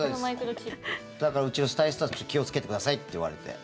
だからうちのスタイリストにちょっと気をつけてくださいって言われて。